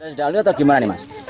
sudah lihat atau gimana nih mas